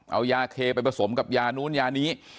เอายาเคไปผสมกับยานู้นยานี้